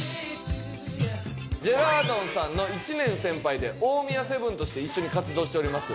ジェラードンさんの１年先輩で大宮セブンとして一緒に活動しております